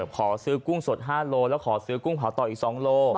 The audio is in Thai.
ขอซื้อกุ้งสด๕โลแล้วขอซื้อกุ้งเผาต่ออีก๒โล